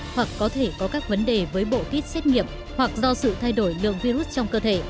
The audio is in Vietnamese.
hoặc có thể có các vấn đề với bộ kit xét nghiệm hoặc do sự thay đổi lượng virus trong cơ thể